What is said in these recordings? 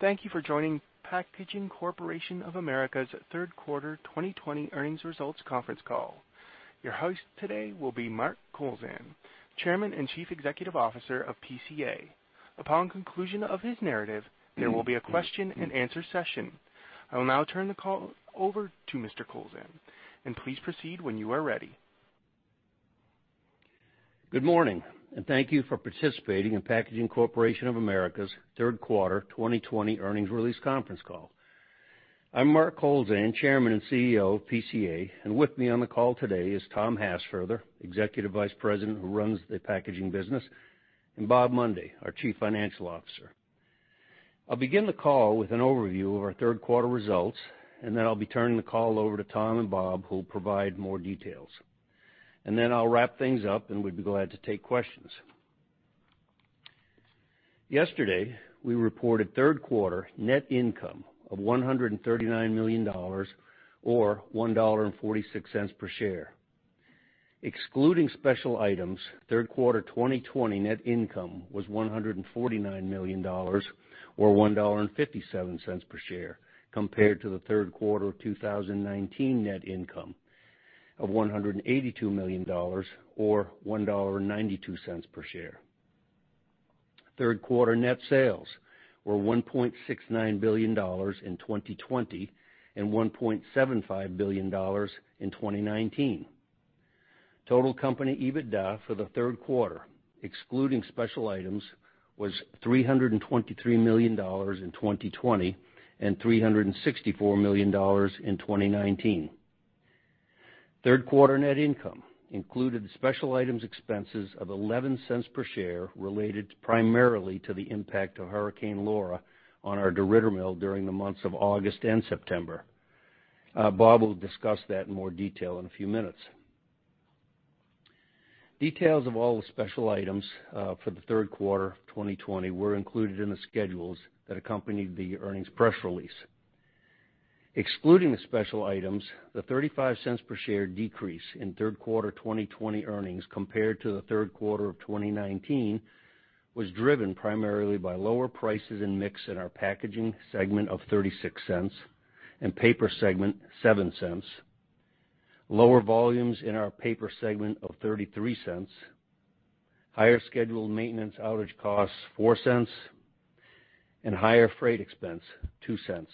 Thank you for joining Packaging Corporation of America's Third Quarter 2020 Earnings Results Conference Call. Your host today will be Mark Kowlzan, Chairman and Chief Executive Officer of PCA. Upon conclusion of his narrative, there will be a question and answer session. I will now turn the call over to Mr. Kowlzan, and please proceed when you are ready. Good morning, and thank you for participating in Packaging Corporation of America's third quarter 2020 earnings release conference call. I'm Mark Kowlzan, Chairman and CEO of PCA, and with me on the call today is Tom Hassfurther, Executive Vice President who runs the packaging business, and Bob Mundy, our Chief Financial Officer. I'll begin the call with an overview of our third quarter results, and then I'll be turning the call over to Tom and Bob, who'll provide more details. And then I'll wrap things up, and we'd be glad to take questions. Yesterday, we reported third quarter net income of $139 million, or $1.46 per share. Excluding special items, third quarter 2020 net income was $149 million, or $1.57 per share, compared to the third quarter 2019 net income of $182 million, or $1.92 per share. Third quarter net sales were $1.69 billion in 2020 and $1.75 billion in 2019. Total company EBITDA for the third quarter, excluding special items, was $323 million in 2020 and $364 million in 2019. Third quarter net income included special items expenses of $0.11 per share, related primarily to the impact of Hurricane Laura on our DeRidder Mill during the months of August and September. Bob will discuss that in more detail in a few minutes. Details of all the special items for the third quarter 2020 were included in the schedules that accompanied the earnings press release. Excluding the special items, the $0.35 per share decrease in third quarter 2020 earnings, compared to the third quarter of 2019, was driven primarily by lower prices and mix in our packaging segment of $0.36 and paper segment of $0.07, lower volumes in our paper segment of $0.33, higher scheduled maintenance outage costs of $0.04, and higher freight expense of $0.02.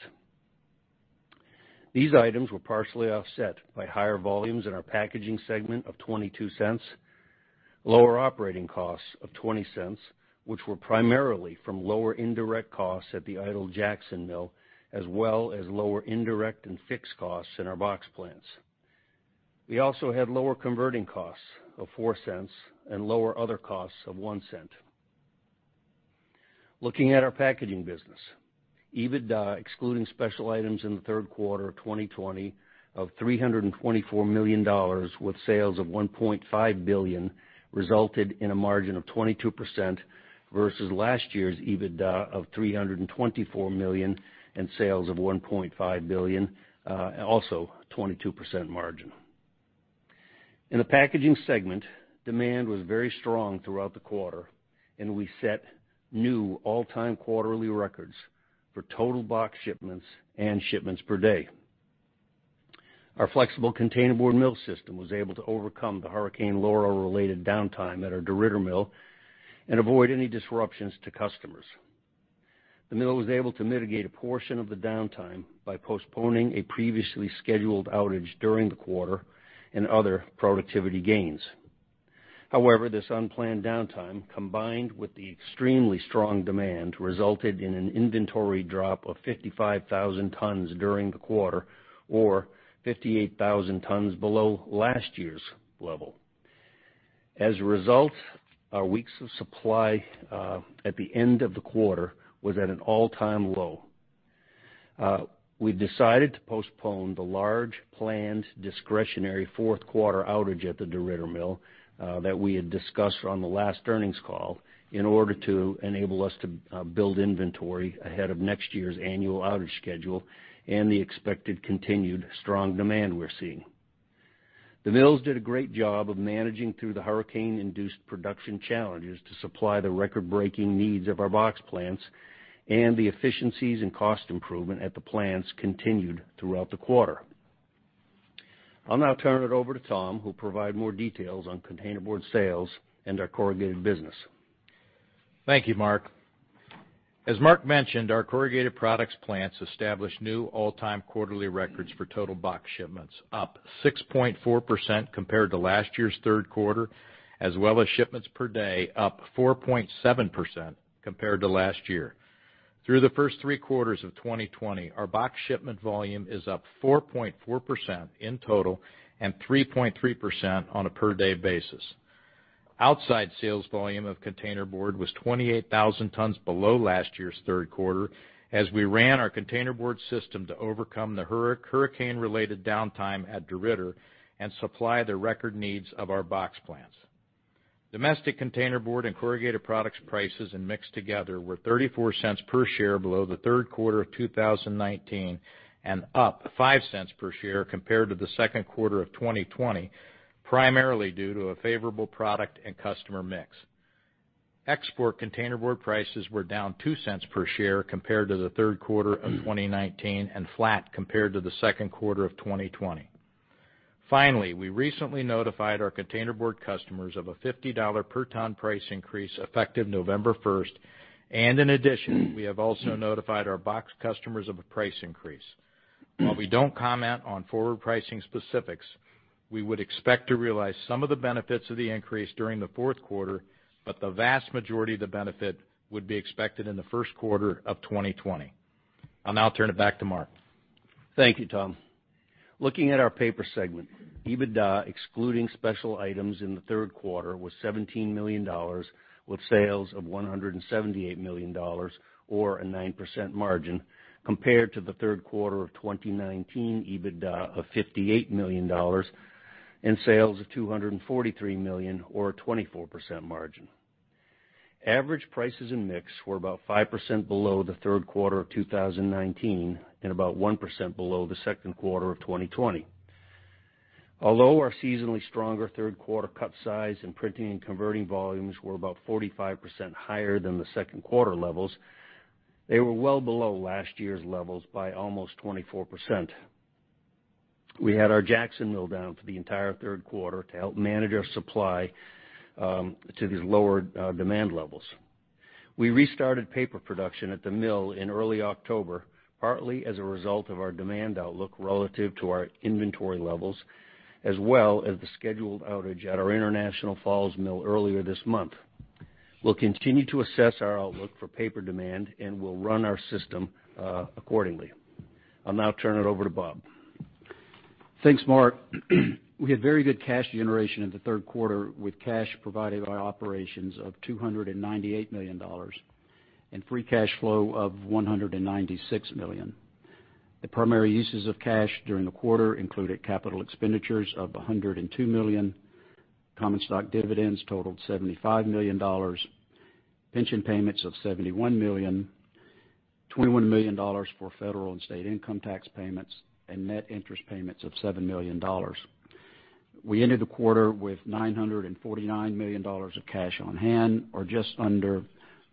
These items were partially offset by higher volumes in our packaging segment of $0.22, lower operating costs of $0.20, which were primarily from lower indirect costs at the idle Jackson Mill, as well as lower indirect and fixed costs in our box plants. We also had lower converting costs of $0.04 and lower other costs of $0.01. Looking at our packaging business, EBITDA, excluding special items in the third quarter of 2020, of $324 million, with sales of $1.5 billion, resulted in a margin of 22% versus last year's EBITDA of $324 million and sales of $1.5 billion, also a 22% margin. In the packaging segment, demand was very strong throughout the quarter, and we set new all-time quarterly records for total box shipments and shipments per day. Our flexible containerboard mill system was able to overcome the Hurricane Laura-related downtime at our DeRidder Mill and avoid any disruptions to customers. The mill was able to mitigate a portion of the downtime by postponing a previously scheduled outage during the quarter and other productivity gains. However, this unplanned downtime, combined with the extremely strong demand, resulted in an inventory drop of 55,000 tons during the quarter, or 58,000 tons below last year's level. As a result, our weeks of supply at the end of the quarter was at an all-time low. We decided to postpone the large planned discretionary fourth quarter outage at the DeRidder Mill that we had discussed on the last earnings call in order to enable us to build inventory ahead of next year's annual outage schedule and the expected continued strong demand we're seeing. The mills did a great job of managing through the hurricane-induced production challenges to supply the record-breaking needs of our box plants, and the efficiencies and cost improvement at the plants continued throughout the quarter. I'll now turn it over to Tom, who'll provide more details on containerboard sales and our corrugated business. Thank you, Mark. As Mark mentioned, our corrugated products plants established new all-time quarterly records for total box shipments, up 6.4% compared to last year's third quarter, as well as shipments per day, up 4.7% compared to last year. Through the first three quarters of 2020, our box shipment volume is up 4.4% in total and 3.3% on a per-day basis. Outside sales volume of containerboard was 28,000 tons below last year's third quarter, as we ran our containerboard system to overcome the hurricane-related downtime at DeRidder and supply the record needs of our box plants. Domestic containerboard and corrugated products prices and mix together were $0.34 per share below the third quarter of 2019 and up $0.05 per share compared to the second quarter of 2020, primarily due to a favorable product and customer mix. Export containerboard prices were down $0.02 per share compared to the third quarter of 2019 and flat compared to the second quarter of 2020. Finally, we recently notified our containerboard customers of a $50 per ton price increase effective November 1st, and in addition, we have also notified our box customers of a price increase. While we don't comment on forward pricing specifics, we would expect to realize some of the benefits of the increase during the fourth quarter, but the vast majority of the benefit would be expected in the first quarter of 2020. I'll now turn it back to Mark. Thank you, Tom. Looking at our paper segment, EBITDA, excluding special items in the third quarter, was $17 million, with sales of $178 million, or a 9% margin, compared to the third quarter of 2019 EBITDA of $58 million and sales of $243 million, or a 24% margin. Average prices and mix were about 5% below the third quarter of 2019 and about 1% below the second quarter of 2020. Although our seasonally stronger third quarter cut size and printing and converting volumes were about 45% higher than the second quarter levels, they were well below last year's levels by almost 24%. We had our Jackson Mill down for the entire third quarter to help manage our supply to these lower demand levels. We restarted paper production at the mill in early October, partly as a result of our demand outlook relative to our inventory levels, as well as the scheduled outage at our International Falls Mill earlier this month. We'll continue to assess our outlook for paper demand and will run our system accordingly. I'll now turn it over to Bob. Thanks, Mark. We had very good cash generation in the third quarter, with cash provided by operations of $298 million and free cash flow of $196 million. The primary uses of cash during the quarter included capital expenditures of $102 million, common stock dividends totaled $75 million, pension payments of $71 million, $21 million for federal and state income tax payments, and net interest payments of $7 million. We ended the quarter with $949 million of cash on hand, or just under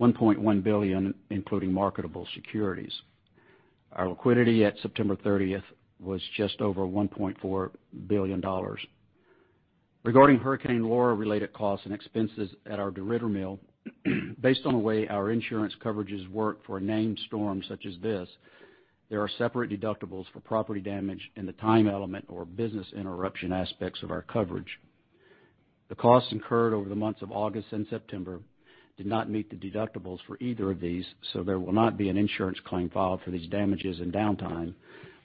$1.1 billion, including marketable securities. Our liquidity at September 30th was just over $1.4 billion. Regarding Hurricane Laura-related costs and expenses at our DeRidder Mill, based on the way our insurance coverages work for a named storm such as this, there are separate deductibles for property damage and the time element or business interruption aspects of our coverage. The costs incurred over the months of August and September did not meet the deductibles for either of these, so there will not be an insurance claim filed for these damages and downtime,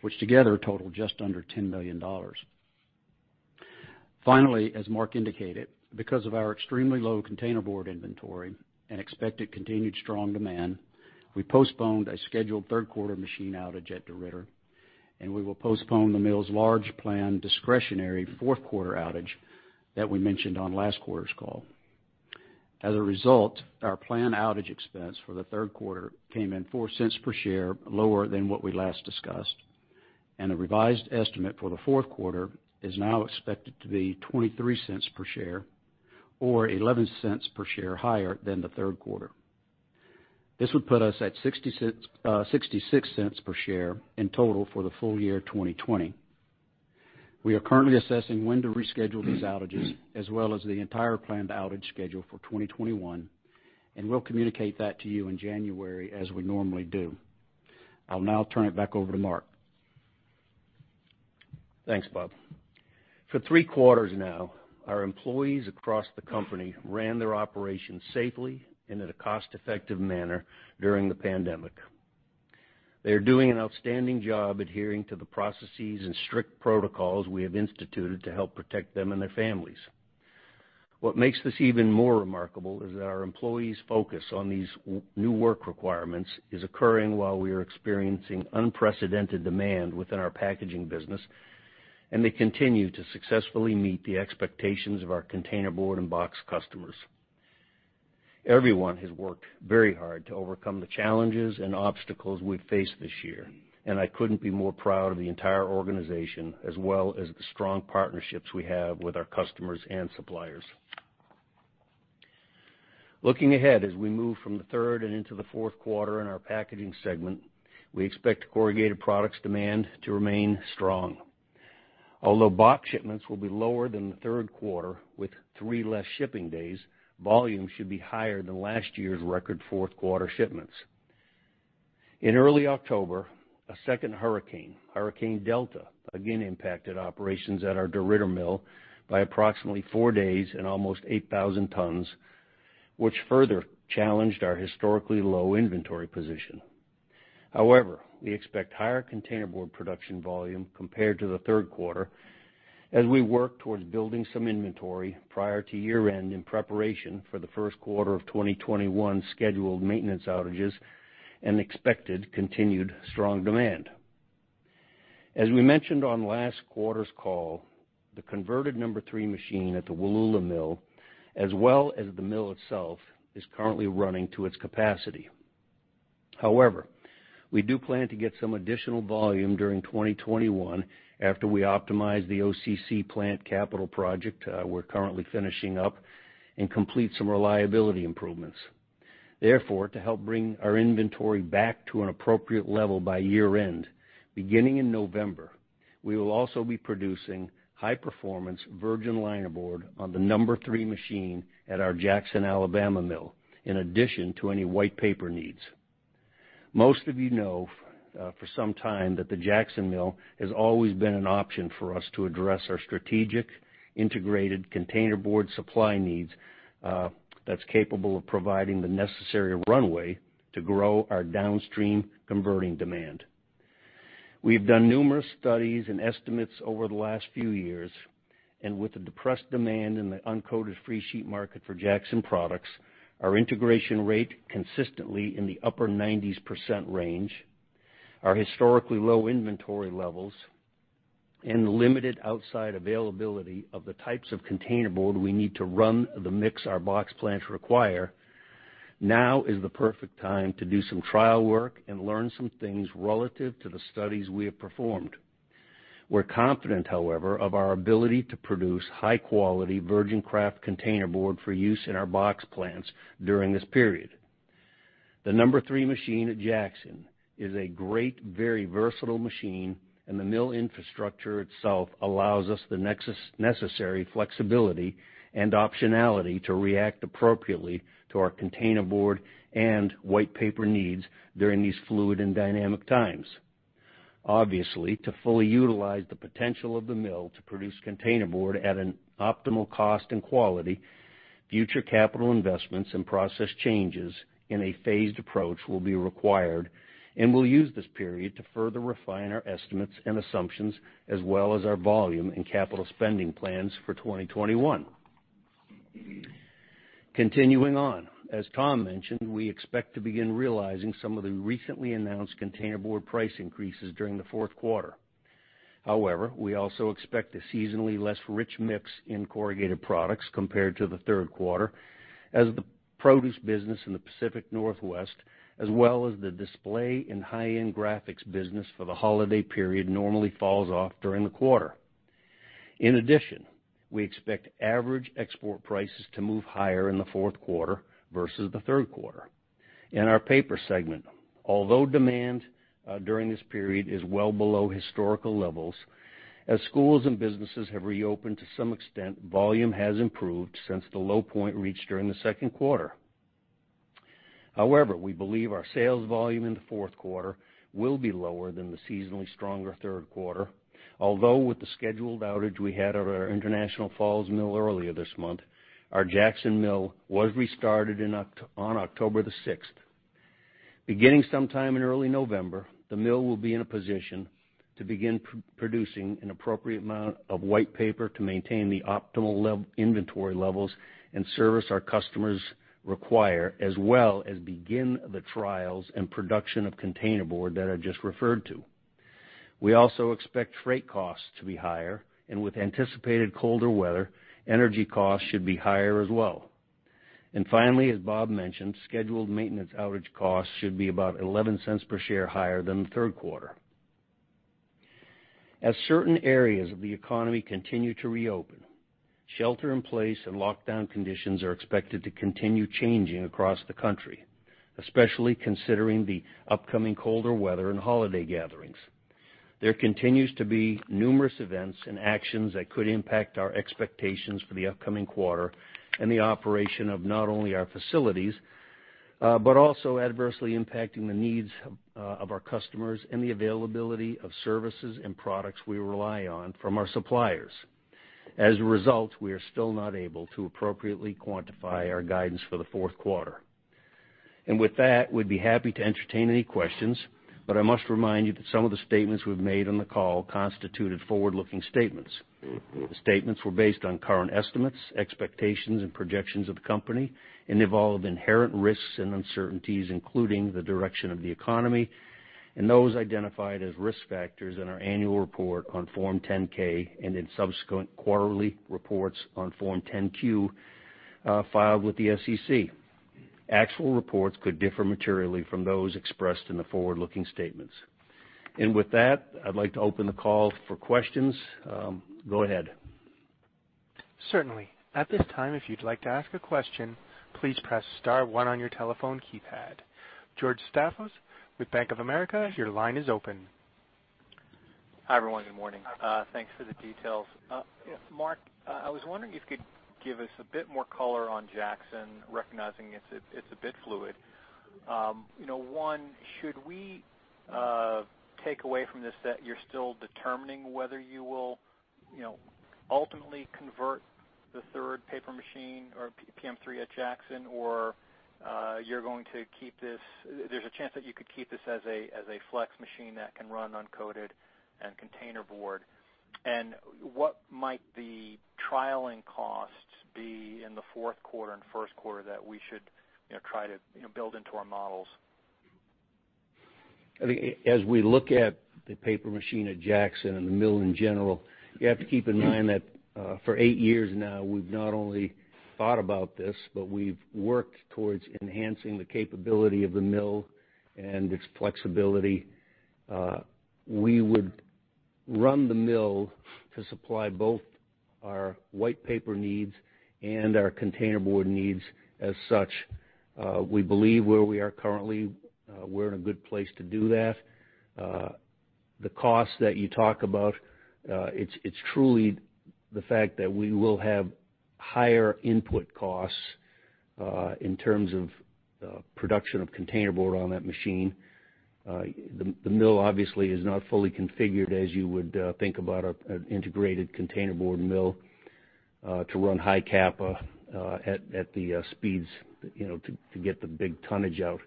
which together totaled just under $10 million. Finally, as Mark indicated, because of our extremely low containerboard inventory and expected continued strong demand, we postponed a scheduled third quarter machine outage at DeRidder, and we will postpone the mill's large planned discretionary fourth quarter outage that we mentioned on last quarter's call. As a result, our planned outage expense for the third quarter came in $0.04 per share, lower than what we last discussed, and the revised estimate for the fourth quarter is now expected to be $0.23 per share, or $0.11 per share higher than the third quarter. This would put us at $0.66 per share in total for the full year 2020. We are currently assessing when to reschedule these outages, as well as the entire planned outage schedule for 2021, and we'll communicate that to you in January, as we normally do. I'll now turn it back over to Mark. Thanks, Bob. For three quarters now, our employees across the company ran their operations safely and in a cost-effective manner during the pandemic. They are doing an outstanding job adhering to the processes and strict protocols we have instituted to help protect them and their families. What makes this even more remarkable is that our employees' focus on these new work requirements is occurring while we are experiencing unprecedented demand within our packaging business, and they continue to successfully meet the expectations of our containerboard and box customers. Everyone has worked very hard to overcome the challenges and obstacles we've faced this year, and I couldn't be more proud of the entire organization, as well as the strong partnerships we have with our customers and suppliers. Looking ahead as we move from the third and into the fourth quarter in our packaging segment, we expect corrugated products demand to remain strong. Although box shipments will be lower than the third quarter, with three less shipping days, volume should be higher than last year's record fourth quarter shipments. In early October, a second hurricane, Hurricane Delta, again impacted operations at our DeRidder Mill by approximately four days and almost 8,000 tons, which further challenged our historically low inventory position. However, we expect higher containerboard production volume compared to the third quarter as we work towards building some inventory prior to year-end in preparation for the first quarter of 2021 scheduled maintenance outages and expected continued strong demand. As we mentioned on last quarter's call, the converted number three machine at the Wallula Mill, as well as the mill itself, is currently running to its capacity. However, we do plan to get some additional volume during 2021 after we optimize the OCC plant capital project we're currently finishing up and complete some reliability improvements. Therefore, to help bring our inventory back to an appropriate level by year-end, beginning in November, we will also be producing high-performance virgin linerboard on the number three machine at our Jackson, Alabama mill, in addition to any white paper needs. Most of you know for some time that the Jackson Mill has always been an option for us to address our strategic integrated containerboard supply needs that's capable of providing the necessary runway to grow our downstream converting demand. We have done numerous studies and estimates over the last few years, and with the depressed demand in the uncoated freesheet market for Jackson products, our integration rate consistently in the upper 90% range, our historically low inventory levels, and limited outside availability of the types of containerboard we need to run the mix our box plants require, now is the perfect time to do some trial work and learn some things relative to the studies we have performed. We're confident, however, of our ability to produce high-quality virgin kraft containerboard for use in our box plants during this period. The number three machine at Jackson is a great, very versatile machine, and the mill infrastructure itself allows us the necessary flexibility and optionality to react appropriately to our containerboard and white paper needs during these fluid and dynamic times. Obviously, to fully utilize the potential of the mill to produce containerboard at an optimal cost and quality, future capital investments and process changes in a phased approach will be required, and we'll use this period to further refine our estimates and assumptions, as well as our volume and capital spending plans for 2021. Continuing on, as Tom mentioned, we expect to begin realizing some of the recently announced containerboard price increases during the fourth quarter. However, we also expect a seasonally less rich mix in corrugated products compared to the third quarter, as the produce business in the Pacific Northwest, as well as the display and high-end graphics business for the holiday period, normally falls off during the quarter. In addition, we expect average export prices to move higher in the fourth quarter versus the third quarter. In our paper segment, although demand during this period is well below historical levels, as schools and businesses have reopened to some extent, volume has improved since the low point reached during the second quarter. However, we believe our sales volume in the fourth quarter will be lower than the seasonally stronger third quarter, although with the scheduled outage we had at our International Falls Mill earlier this month, our Jackson Mill was restarted on October the 6th. Beginning sometime in early November, the mill will be in a position to begin producing an appropriate amount of white paper to maintain the optimal inventory levels and service our customers require, as well as begin the trials and production of containerboard that I just referred to. We also expect freight costs to be higher, and with anticipated colder weather, energy costs should be higher as well. And finally, as Bob mentioned, scheduled maintenance outage costs should be about $0.11 per share higher than the third quarter. As certain areas of the economy continue to reopen, shelter-in-place and lockdown conditions are expected to continue changing across the country, especially considering the upcoming colder weather and holiday gatherings. There continues to be numerous events and actions that could impact our expectations for the upcoming quarter and the operation of not only our facilities, but also adversely impacting the needs of our customers and the availability of services and products we rely on from our suppliers. As a result, we are still not able to appropriately quantify our guidance for the fourth quarter. And with that, we'd be happy to entertain any questions, but I must remind you that some of the statements we've made on the call constituted forward-looking statements. The statements were based on current estimates, expectations, and projections of the company, and involved inherent risks and uncertainties, including the direction of the economy and those identified as risk factors in our annual report on Form 10-K and in subsequent quarterly reports on Form 10-Q filed with the SEC. Actual reports could differ materially from those expressed in the forward-looking statements, and with that, I'd like to open the call for questions. Go ahead. Certainly. At this time, if you'd like to ask a question, please press star one on your telephone keypad. George Staphos with Bank of America, your line is open. Hi, everyone. Good morning. Thanks for the details. Mark, I was wondering if you could give us a bit more color on Jackson, recognizing it's a bit fluid. One, should we take away from this that you're still determining whether you will ultimately convert the third paper machine or PM3 at Jackson, or you're going to keep this? There's a chance that you could keep this as a flex machine that can run uncoated and containerboard. And what might the trialing costs be in the fourth quarter and first quarter that we should try to build into our models? As we look at the paper machine at Jackson and the mill in general, you have to keep in mind that for eight years now, we've not only thought about this, but we've worked towards enhancing the capability of the mill and its flexibility. We would run the mill to supply both our white paper needs and our containerboard needs as such. We believe where we are currently, we're in a good place to do that. The cost that you talk about, it's truly the fact that we will have higher input costs in terms of production of containerboard on that machine. The mill, obviously, is not fully configured as you would think about an integrated containerboard mill to run high cap at the speeds to get the big tonnage out.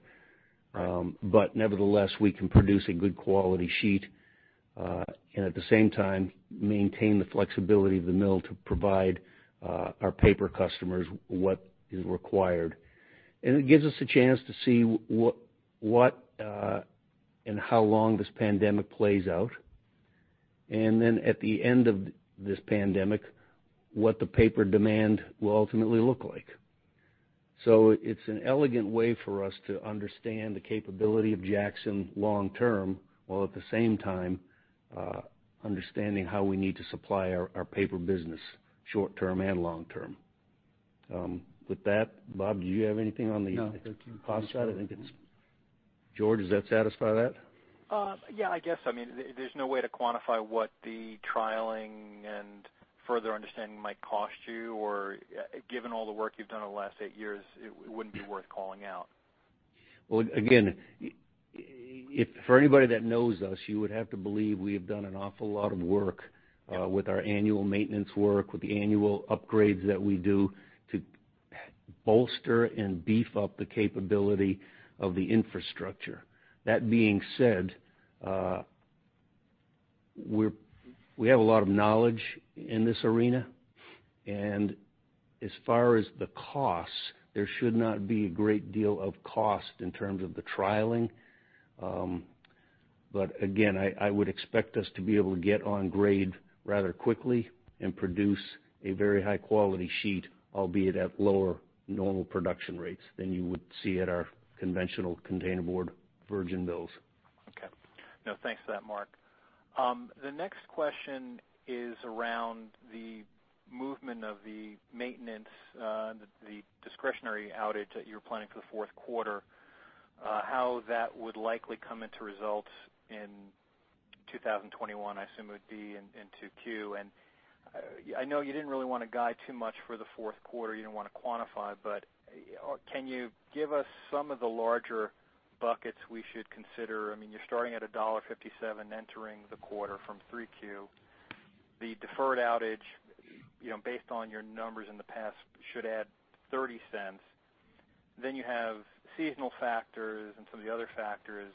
But nevertheless, we can produce a good quality sheet and, at the same time, maintain the flexibility of the mill to provide our paper customers what is required. And it gives us a chance to see what and how long this pandemic plays out, and then at the end of this pandemic, what the paper demand will ultimately look like. So it's an elegant way for us to understand the capability of Jackson long-term while, at the same time, understanding how we need to supply our paper business short-term and long-term. With that, Bob, do you have anything on the cost side? I think it's George. Does that satisfy that? Yeah, I guess. I mean, there's no way to quantify what the trialing and further understanding might cost you, or given all the work you've done over the last eight years, it wouldn't be worth calling out. Again, for anybody that knows us, you would have to believe we have done an awful lot of work with our annual maintenance work, with the annual upgrades that we do to bolster and beef up the capability of the infrastructure. That being said, we have a lot of knowledge in this arena, and as far as the costs, there should not be a great deal of cost in terms of the trialing. But again, I would expect us to be able to get on grade rather quickly and produce a very high-quality sheet, albeit at lower normal production rates than you would see at our conventional containerboard virgin mills. Okay. No, thanks for that, Mark. The next question is around the movement of the maintenance, the discretionary outage that you're planning for the fourth quarter, how that would likely come into result in 2021, I assume it would be into Q1. And I know you didn't really want to guide too much for the fourth quarter. You didn't want to quantify, but can you give us some of the larger buckets we should consider? I mean, you're starting at $1.57 entering the quarter from 3Q. The deferred outage, based on your numbers in the past, should add $0.30. Then you have seasonal factors and some of the other factors.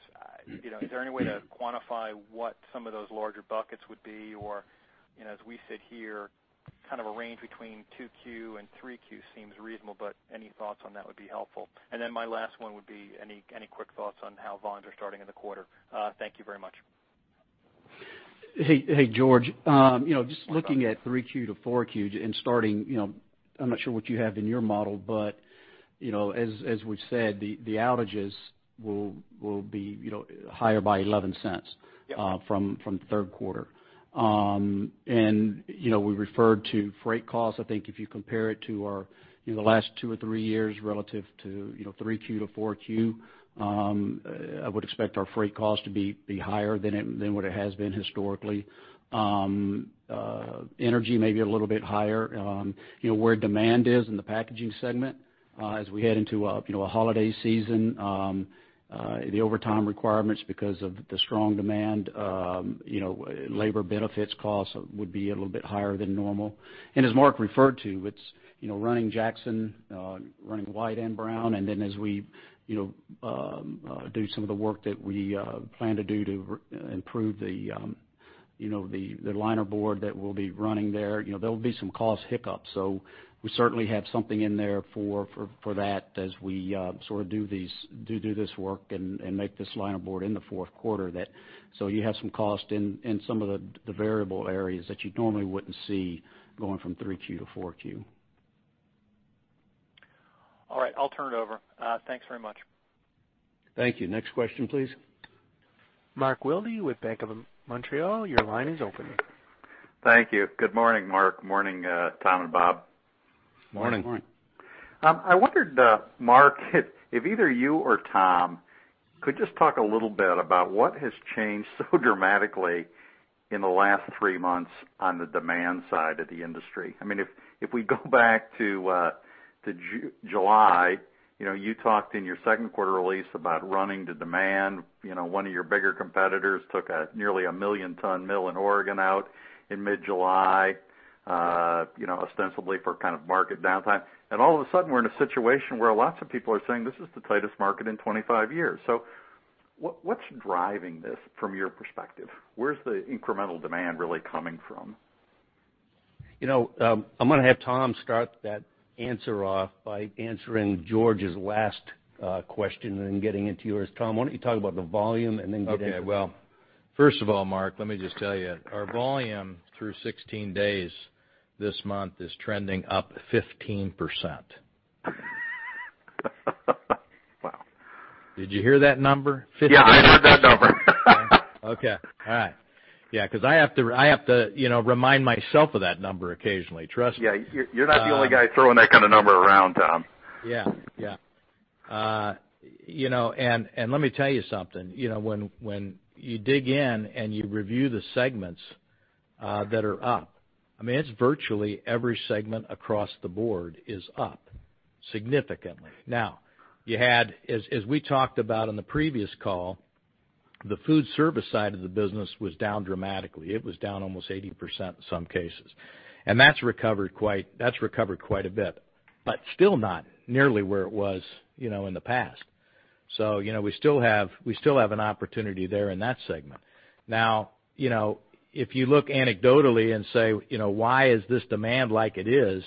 Is there any way to quantify what some of those larger buckets would be? Or, as we sit here, kind of a range between 2Q and 3Q seems reasonable, but any thoughts on that would be helpful. And then my last one would be any quick thoughts on how volumes are starting in the quarter. Thank you very much. Hey, George. Just looking at 3Q to 4Q and starting, I'm not sure what you have in your model, but as we've said, the outages will be higher by $0.11 from third quarter, and we referred to freight costs. I think if you compare it to the last two or three years relative to 3Q to 4Q, I would expect our freight costs to be higher than what it has been historically. Energy may be a little bit higher. Where demand is in the packaging segment, as we head into a holiday season, the overtime requirements because of the strong demand, labor benefits costs would be a little bit higher than normal. As Mark referred to, it's running Jackson, running white and brown, and then as we do some of the work that we plan to do to improve the linerboard that we'll be running there, there'll be some cost hiccups. So we certainly have something in there for that as we sort of do this work and make this linerboard in the fourth quarter. So you have some cost in some of the variable areas that you normally wouldn't see going from 3Q to 4Q. All right. I'll turn it over. Thanks very much. Thank you. Next question, please. Mark Wilde with Bank of Montreal. Your line is open. Thank you. Good morning, Mark. Morning, Tom and Bob. Morning. Morning. I wondered, Mark, if either you or Tom could just talk a little bit about what has changed so dramatically in the last three months on the demand side of the industry. I mean, if we go back to July, you talked in your second quarter release about running to demand. One of your bigger competitors took a nearly a million-ton mill in Oregon out in mid-July, ostensibly for kind of market downtime. And all of a sudden, we're in a situation where lots of people are saying, "This is the tightest market in 25 years." So what's driving this from your perspective? Where's the incremental demand really coming from? I'm going to have Tom start that answer off by answering George's last question and then getting into yours. Tom, why don't you talk about the volume and then get into. First of all, Mark, let me just tell you, our volume through 16 days this month is trending up 15%. Wow. Did you hear that number? 15%. Yeah, I heard that number. Okay. All right. Yeah, because I have to remind myself of that number occasionally. Trust me. Yeah. You're not the only guy throwing that kind of number around, Tom. Yeah. Yeah, and let me tell you something. When you dig in and you review the segments that are up, I mean, it's virtually every segment across the board is up significantly. Now, as we talked about in the previous call, the food service side of the business was down dramatically. It was down almost 80% in some cases. And that's recovered quite a bit, but still not nearly where it was in the past. So we still have an opportunity there in that segment. Now, if you look anecdotally and say, "Why is this demand like it is?"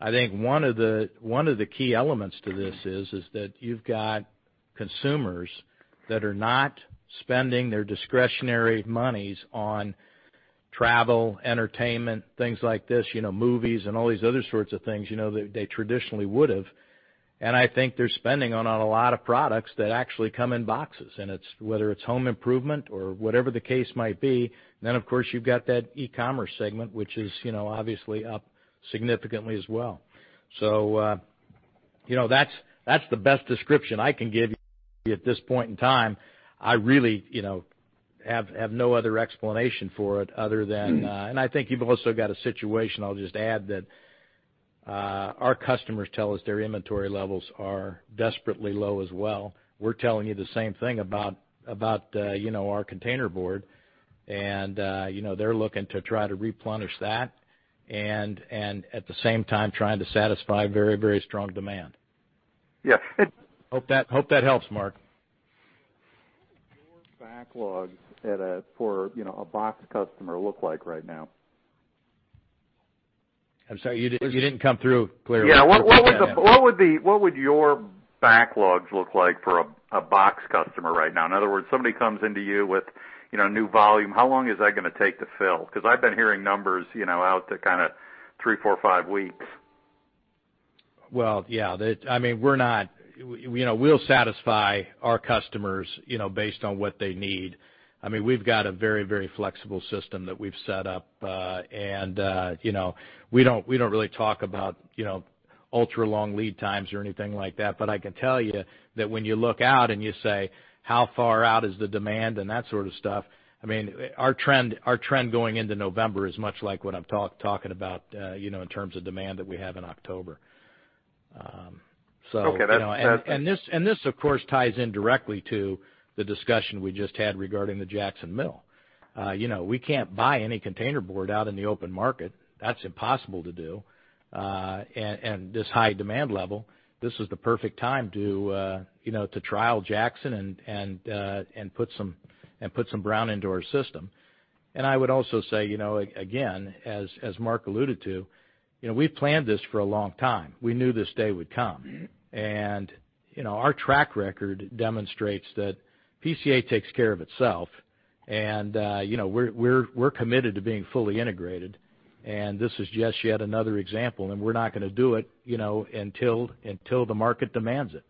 I think one of the key elements to this is that you've got consumers that are not spending their discretionary monies on travel, entertainment, things like this, movies, and all these other sorts of things they traditionally would have. I think they're spending on a lot of products that actually come in boxes. Whether it's home improvement or whatever the case might be, then, of course, you've got that e-commerce segment, which is obviously up significantly as well. That's the best description I can give you at this point in time. I really have no other explanation for it other than, and I think you've also got a situation. I'll just add that our customers tell us their inventory levels are desperately low as well. We're telling you the same thing about our containerboard. They're looking to try to replenish that and, at the same time, trying to satisfy very, very strong demand. Yeah. Hope that helps, Mark. Your backlog for a box customer look like right now? I'm sorry. You didn't come through clearly. Yeah. What would your backlog look like for a box customer right now? In other words, somebody comes into you with new volume. How long is that going to take to fill? Because I've been hearing numbers out to kind of three, four, five weeks. Yeah. I mean, we're not, we'll satisfy our customers based on what they need. I mean, we've got a very, very flexible system that we've set up. And we don't really talk about ultra-long lead times or anything like that. But I can tell you that when you look out and you say, "How far out is the demand?" and that sort of stuff, I mean, our trend going into November is much like what I'm talking about in terms of demand that we have in October. Okay. That's. And this, of course, ties in directly to the discussion we just had regarding the Jackson mill. We can't buy any containerboard out in the open market. That's impossible to do. And this high demand level, this is the perfect time to trial Jackson and put some brown into our system. And I would also say, again, as Mark alluded to, we've planned this for a long time. We knew this day would come. And our track record demonstrates that PCA takes care of itself. And we're committed to being fully integrated. And this is just yet another example. And we're not going to do it until the market demands it.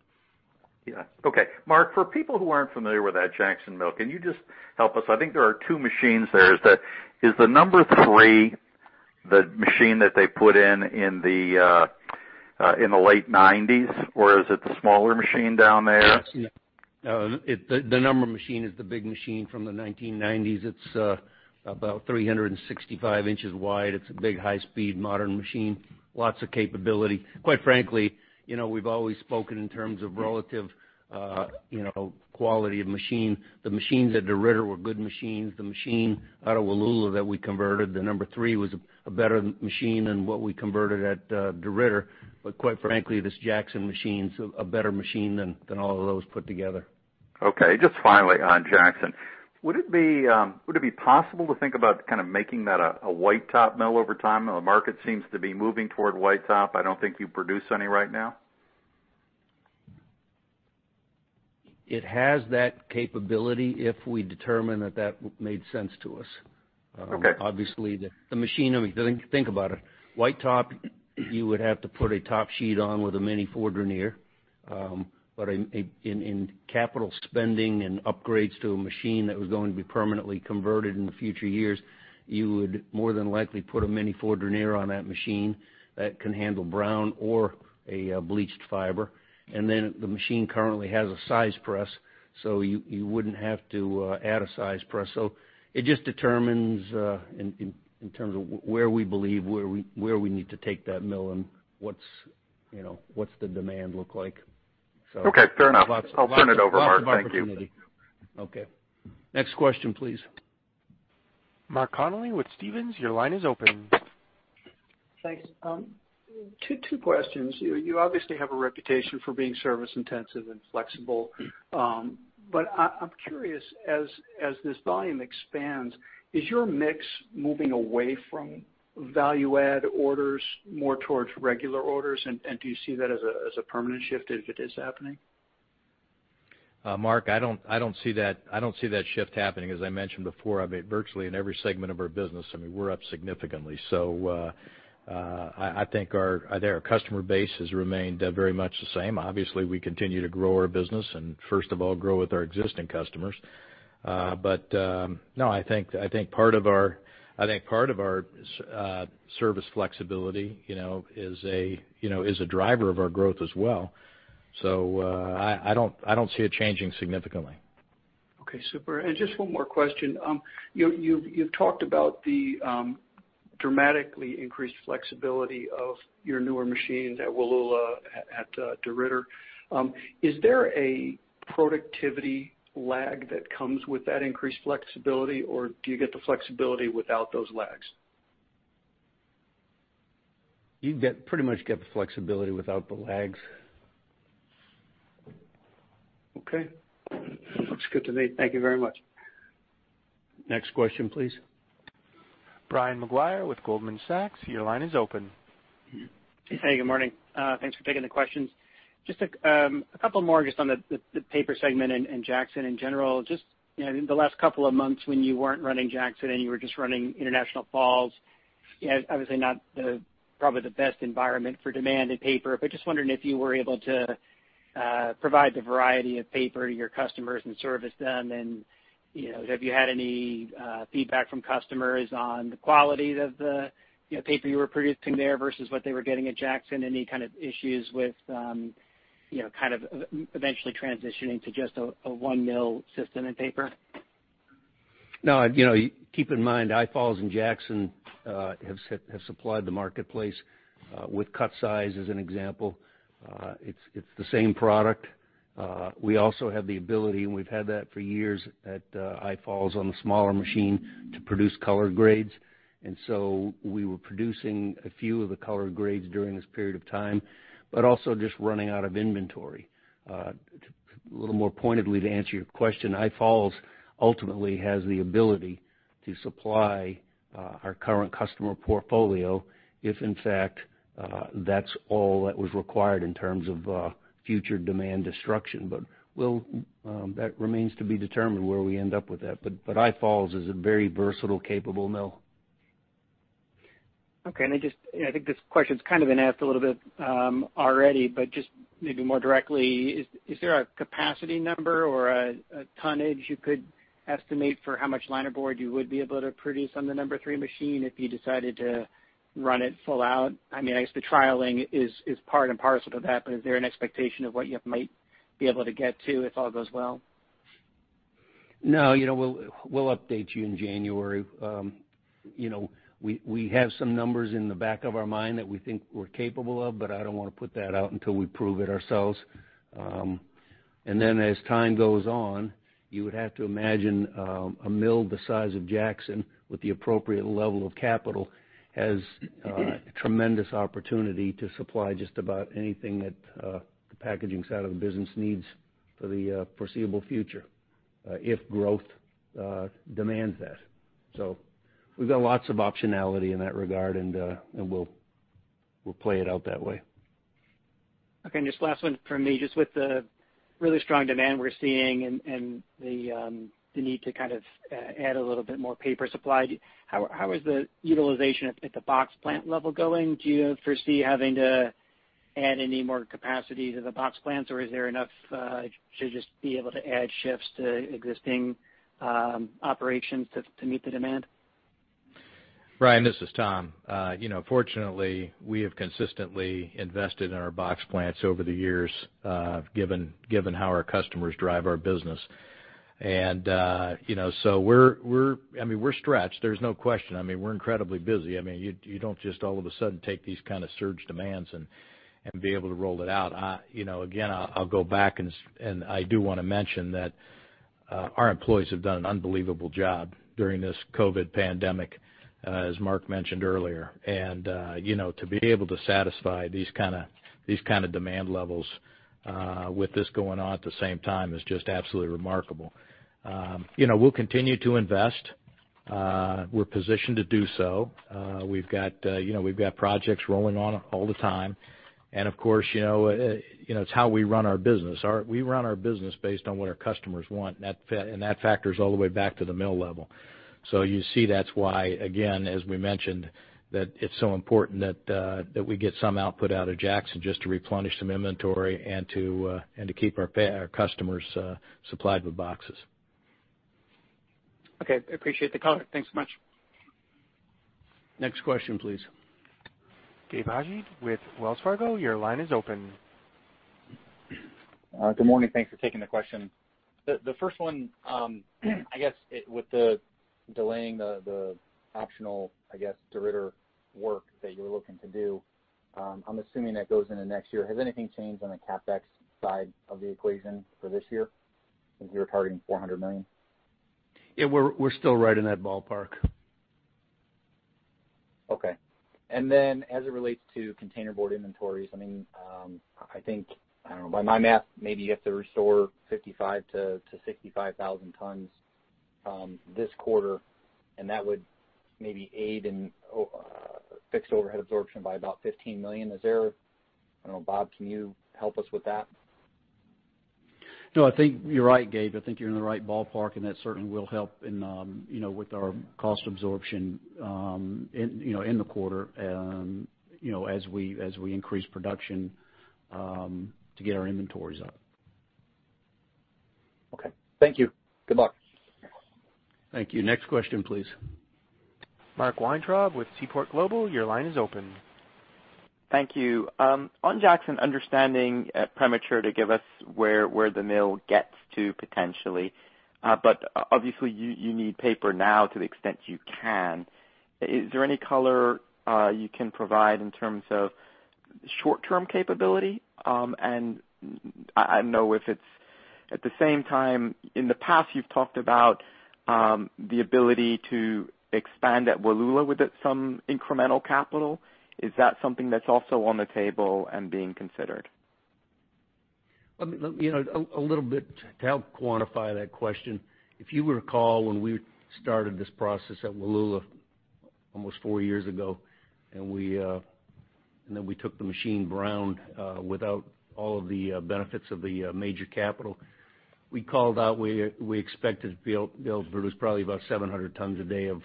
Yeah. Okay. Mark, for people who aren't familiar with that Jackson Mill, can you just help us? I think there are two machines there. Is the number three the machine that they put in in the late 1990s, or is it the smaller machine down there? The number three machine is the big machine from the 1990s. It's about 365 inches wide. It's a big high-speed modern machine. Lots of capability. Quite frankly, we've always spoken in terms of relative quality of machine. The machines at DeRidder were good machines. The machine out of Wallula that we converted, the number three was a better machine than what we converted at DeRidder. But quite frankly, this Jackson machine is a better machine than all of those put together. Okay. Just finally on Jackson. Would it be possible to think about kind of making that a white top mill over time? The market seems to be moving toward white top. I don't think you produce any right now. It has that capability if we determine that that made sense to us. Okay. Obviously, the machine. I mean, think about it. White top, you would have to put a top sheet on with a mini Fourdrinier. But in capital expenditures and upgrades to a machine that was going to be permanently converted in the future years, you would more than likely put a mini Fourdrinier on that machine that can handle brown or a bleached fiber. And then the machine currently has a size press, so you wouldn't have to add a size press. So it just determines in terms of where we believe we need to take that mill and what's the demand look like. Okay. Fair enough. I'll turn it over, Mark. Thank you. Okay. Next question, please. Mark Connelly with Stephens. Your line is open. Thanks. Two questions. You obviously have a reputation for being service-intensive and flexible. But I'm curious, as this volume expands, is your mix moving away from value-add orders more towards regular orders? And do you see that as a permanent shift if it is happening? Mark, I don't see that shift happening. As I mentioned before, I mean, virtually in every segment of our business, I mean, we're up significantly. So I think our customer base has remained very much the same. Obviously, we continue to grow our business and, first of all, grow with our existing customers. But no, I think part of our—I think part of our service flexibility is a driver of our growth as well. So I don't see it changing significantly. Okay. Super. And just one more question. You've talked about the dramatically increased flexibility of your newer machines at Wallula at DeRidder. Is there a productivity lag that comes with that increased flexibility, or do you get the flexibility without those lags? You pretty much get the flexibility without the lags. Okay. Looks good to me. Thank you very much. Next question, please. Brian Maguire with Goldman Sachs. Your line is open. Hey. Good morning. Thanks for taking the questions. Just a couple more just on the paper segment and Jackson in general. Just the last couple of months when you weren't running Jackson and you were just running International Falls, obviously not probably the best environment for demand in paper. But just wondering if you were able to provide the variety of paper to your customers and service them. And have you had any feedback from customers on the quality of the paper you were producing there versus what they were getting at Jackson? Any kind of issues with kind of eventually transitioning to just a one-mill system and paper? No. Keep in mind, I-Falls and Jackson have supplied the marketplace with cut size as an example. It's the same product. We also have the ability, and we've had that for years at I-Falls on the smaller machine, to produce color grades. And so we were producing a few of the color grades during this period of time, but also just running out of inventory. A little more pointedly, to answer your question, I-Falls ultimately has the ability to supply our current customer portfolio if, in fact, that's all that was required in terms of future demand destruction. But that remains to be determined where we end up with that. But I-Falls is a very versatile, capable mill. Okay, and I think this question's kind of been asked a little bit already, but just maybe more directly, is there a capacity number or a tonnage you could estimate for how much linerboard you would be able to produce on the number three machine if you decided to run it full out? I mean, I guess the trialing is part and parcel to that, but is there an expectation of what you might be able to get to if all goes well? No. We'll update you in January. We have some numbers in the back of our mind that we think we're capable of, but I don't want to put that out until we prove it ourselves. And then, as time goes on, you would have to imagine a mill the size of Jackson with the appropriate level of capital has tremendous opportunity to supply just about anything that the packaging side of the business needs for the foreseeable future if growth demands that. So we've got lots of optionality in that regard, and we'll play it out that way. Okay. And just last one from me. Just with the really strong demand we're seeing and the need to kind of add a little bit more paper supplied, how is the utilization at the box plant level going? Do you foresee having to add any more capacity to the box plants, or is there enough to just be able to add shifts to existing operations to meet the demand? Brian, this is Tom. Fortunately, we have consistently invested in our box plants over the years given how our customers drive our business. And so I mean, we're stretched. There's no question. I mean, we're incredibly busy. I mean, you don't just all of a sudden take these kind of surge demands and be able to roll it out. Again, I'll go back, and I do want to mention that our employees have done an unbelievable job during this COVID pandemic, as Mark mentioned earlier. And to be able to satisfy these kind of demand levels with this going on at the same time is just absolutely remarkable. We'll continue to invest. We're positioned to do so. We've got projects rolling on all the time. And of course, it's how we run our business. We run our business based on what our customers want, and that factors all the way back to the mill level. So you see that's why, again, as we mentioned, that it's so important that we get some output out of Jackson just to replenish some inventory and to keep our customers supplied with boxes. Okay. Appreciate the comment. Thanks so much. Next question, please. Gabe Hajde with Wells Fargo. Your line is open. Good morning. Thanks for taking the question. The first one, I guess, with delaying the optional, I guess, DeRidder work that you're looking to do, I'm assuming that goes into next year. Has anything changed on the CapEx side of the equation for this year since you were targeting $400 million? Yeah. We're still right in that ballpark. Okay. Then as it relates to containerboard inventories, I mean, I think, I don't know, by my math, maybe you have to restore 55-65 thousand tons this quarter, and that would maybe aid in fixed overhead absorption by about $15 million. Is there, I don't know, Bob, can you help us with that? No. I think you're right, Gabe. I think you're in the right ballpark, and that certainly will help with our cost absorption in the quarter as we increase production to get our inventories up. Okay. Thank you. Good luck. Thank you. Next question, please. Mark Weintraub with Seaport Global. Your line is open. Thank you. On Jackson, understanding premature to give us where the mill gets to potentially. But obviously, you need paper now to the extent you can. Is there any color you can provide in terms of short-term capability? And I don't know if it's at the same time, in the past, you've talked about the ability to expand at Wallula with some incremental capital. Is that something that's also on the table and being considered? A little bit to help quantify that question. If you recall when we started this process at Wallula almost four years ago, and then we took the machine brown without all of the benefits of the major capital, we called out, we expected to be able to produce probably about 700 tons a day of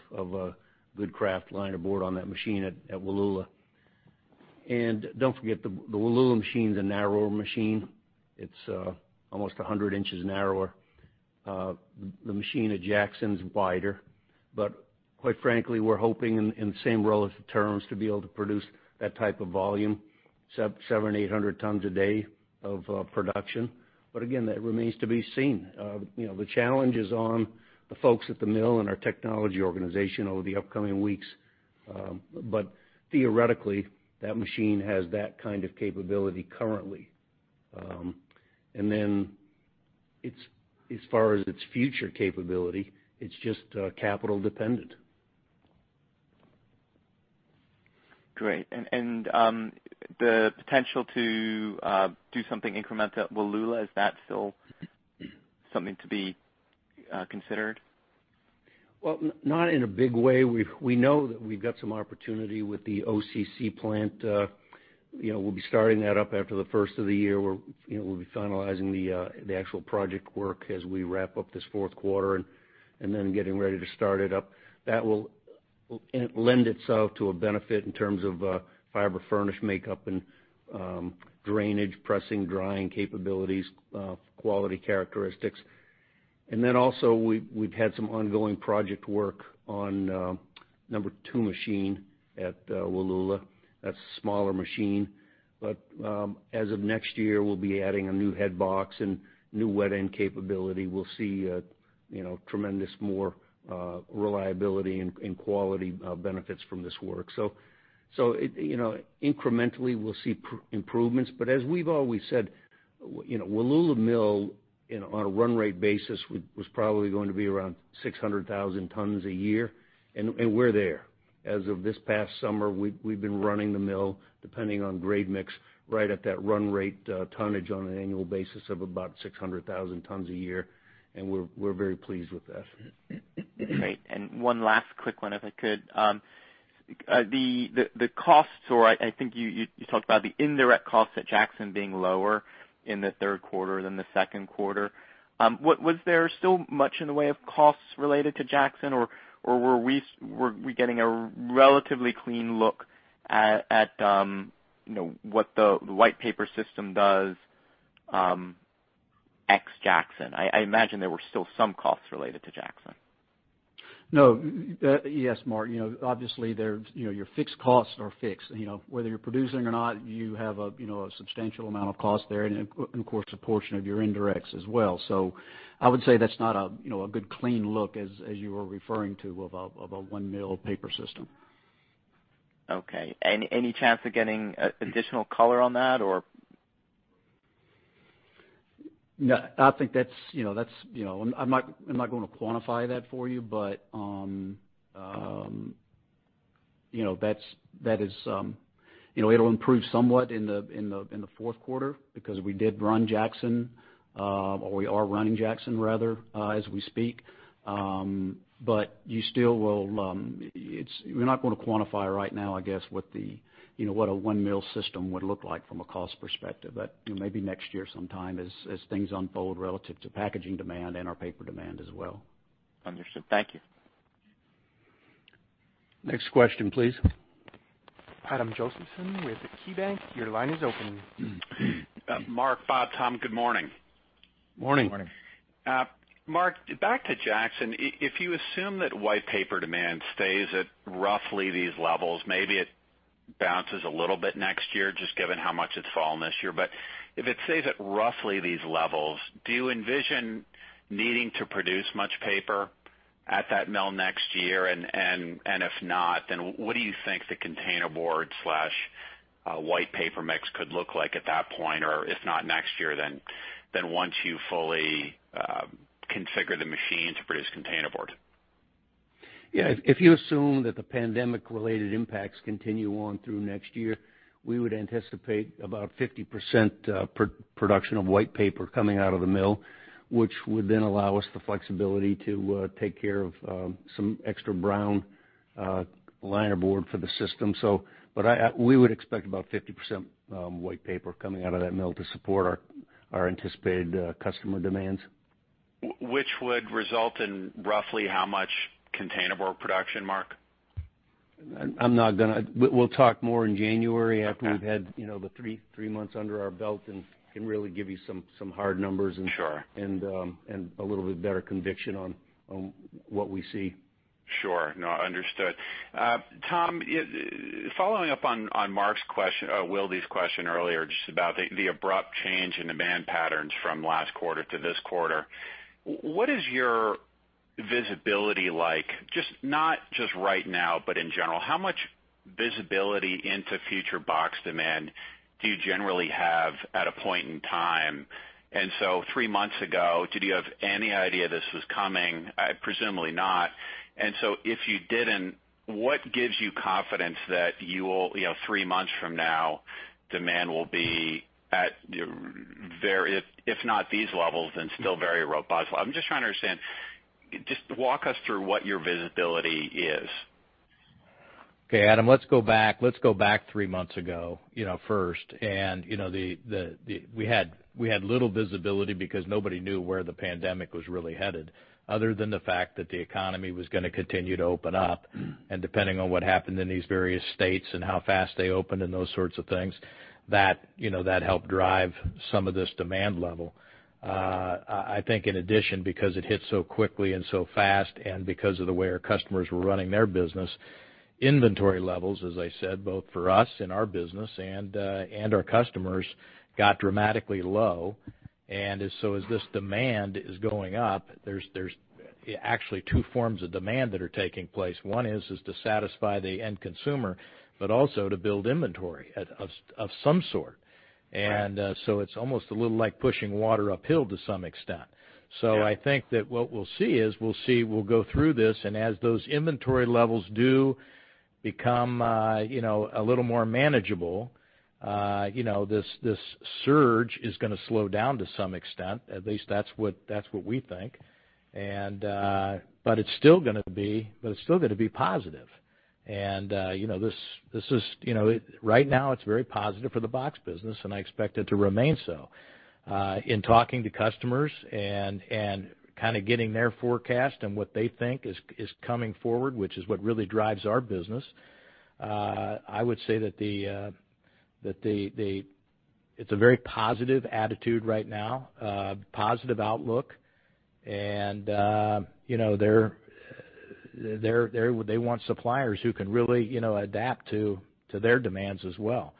good kraft linerboard on that machine at Wallula, and don't forget, the Wallula machine is a narrower machine. It's almost 100 inches narrower. The machine at Jackson's wider, but quite frankly, we're hoping in the same relative terms to be able to produce that type of volume, 700-800 tons a day of production, but again, that remains to be seen. The challenge is on the folks at the mill and our technology organization over the upcoming weeks, but theoretically, that machine has that kind of capability currently. As far as its future capability, it's just capital dependent. Great. And the potential to do something incremental at Wallula, is that still something to be considered? Not in a big way. We know that we've got some opportunity with the OCC plant. We'll be starting that up after the first of the year. We'll be finalizing the actual project work as we wrap up this fourth quarter and then getting ready to start it up. That will lend itself to a benefit in terms of fiber furnish makeup and drainage, pressing, drying capabilities, quality characteristics, then also we've had some ongoing project work on number two machine at Wallula. That's a smaller machine, but as of next year, we'll be adding a new headbox and new wet end capability. We'll see tremendous more reliability and quality benefits from this work, so incrementally, we'll see improvements. But as we've always said, Wallula Mill on a run rate basis was probably going to be around 600,000 tons a year, and we're there. As of this past summer, we've been running the mill depending on grade mix right at that run rate tonnage on an annual basis of about 600,000 tons a year, and we're very pleased with that. Great. And one last quick one, if I could. The costs, or I think you talked about the indirect costs at Jackson being lower in the third quarter than the second quarter. Was there still much in the way of costs related to Jackson, or were we getting a relatively clean look at what the white paper system does ex-Jackson? I imagine there were still some costs related to Jackson. No. Yes, Mark. Obviously, your fixed costs are fixed. Whether you're producing or not, you have a substantial amount of cost there and, of course, a portion of your indirects as well. So I would say that's not a good clean look, as you were referring to, of a one-mill paper system. Okay. Any chance of getting additional color on that, or? No. I think that's. I'm not going to quantify that for you, but that is. It'll improve somewhat in the fourth quarter because we did run Jackson, or we are running Jackson, rather, as we speak. But you still will. We're not going to quantify right now, I guess, what a one-mill system would look like from a cost perspective. But maybe next year sometime as things unfold relative to packaging demand and our paper demand as well. Understood. Thank you. Next question, please. Adam Josephson with KeyBanc. Your line is open. Mark, Bob, Tom, good morning. Morning. Morning. Mark, back to Jackson. If you assume that white paper demand stays at roughly these levels, maybe it bounces a little bit next year just given how much it's fallen this year. But if it stays at roughly these levels, do you envision needing to produce much paper at that mill next year? And if not, then what do you think the containerboard/white paper mix could look like at that point? Or if not next year, then once you fully configure the machine to produce containerboard? Yeah. If you assume that the pandemic-related impacts continue on through next year, we would anticipate about 50% production of white paper coming out of the mill, which would then allow us the flexibility to take care of some extra brown linerboard for the system. But we would expect about 50% white paper coming out of that mill to support our anticipated customer demands. Which would result in roughly how much containerboard production, Mark? I'm not going to. We'll talk more in January after we've had the three months under our belt and can really give you some hard numbers and a little bit better conviction on what we see. Sure. No, understood. Tom, following up on Mark's question, Wilde's question earlier just about the abrupt change in demand patterns from last quarter to this quarter, what is your visibility like? Not just right now, but in general. How much visibility into future box demand do you generally have at a point in time? And so three months ago, did you have any idea this was coming? Presumably not. And so if you didn't, what gives you confidence that three months from now demand will be at, if not these levels, then still very robust? I'm just trying to understand. Just walk us through what your visibility is. Okay. Adam, let's go back three months ago first. And we had little visibility because nobody knew where the pandemic was really headed, other than the fact that the economy was going to continue to open up. And depending on what happened in these various states and how fast they opened and those sorts of things, that helped drive some of this demand level. I think in addition, because it hit so quickly and so fast and because of the way our customers were running their business, inventory levels, as I said, both for us and our business and our customers, got dramatically low. And so as this demand is going up, there's actually two forms of demand that are taking place. One is to satisfy the end consumer, but also to build inventory of some sort. And so it's almost a little like pushing water uphill to some extent. So I think that what we'll see is we'll go through this, and as those inventory levels do become a little more manageable, this surge is going to slow down to some extent. At least that's what we think. But it's still going to be positive. And this is right now, it's very positive for the box business, and I expect it to remain so. In talking to customers and kind of getting their forecast and what they think is coming forward, which is what really drives our business, I would say that it's a very positive attitude right now, positive outlook. And they want suppliers who can really adapt to their demands as well.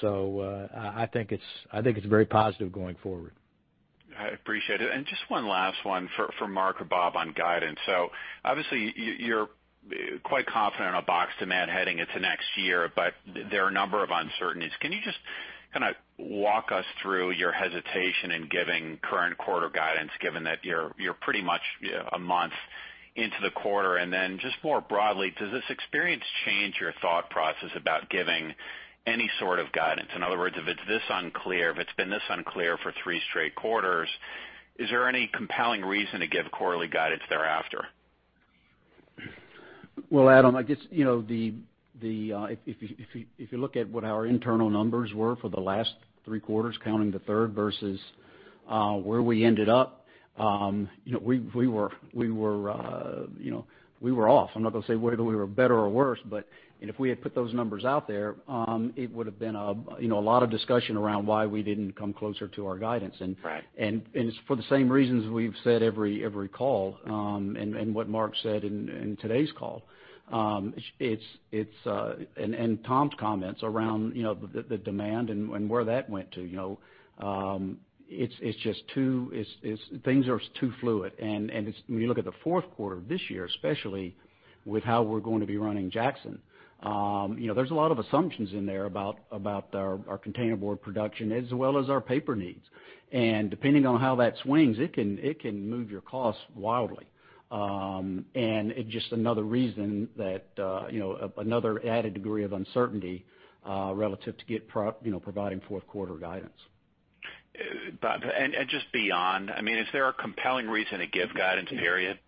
So I think it's very positive going forward. I appreciate it. And just one last one for Mark or Bob on guidance. So obviously, you're quite confident on a box demand heading into next year, but there are a number of uncertainties. Can you just kind of walk us through your hesitation in giving current quarter guidance, given that you're pretty much a month into the quarter? And then just more broadly, does this experience change your thought process about giving any sort of guidance? In other words, if it's this unclear, if it's been this unclear for three straight quarters, is there any compelling reason to give quarterly guidance thereafter? Adam, I guess the, if you look at what our internal numbers were for the last three quarters, counting the third versus where we ended up, we were off. I'm not going to say whether we were better or worse, but if we had put those numbers out there, it would have been a lot of discussion around why we didn't come closer to our guidance. It's for the same reasons we've said every call and what Mark said in today's call. Tom's comments around the demand and where that went to. It's just too, things are too fluid. When you look at the fourth quarter of this year, especially with how we're going to be running Jackson, there's a lot of assumptions in there about our containerboard production as well as our paper needs. Depending on how that swings, it can move your costs wildly. It's just another reason that another added degree of uncertainty relative to providing fourth quarter guidance. Just beyond, I mean, is there a compelling reason to give guidance, period?